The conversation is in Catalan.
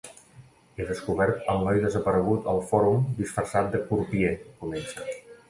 He descobert el noi desaparegut al Fòrum disfressat de crupier, comença.